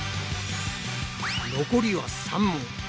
残りは３問。